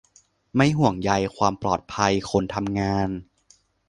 ไม่ห่วงใยความปลอดภัยคนทำงาน